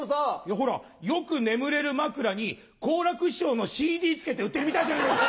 ほらよく眠れる枕に好楽師匠のＣＤ付けて売ってるみたいじゃないですか。